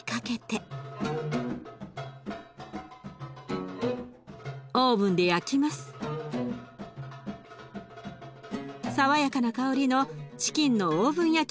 爽やかな香りのチキンのオーブン焼きが出来上がり。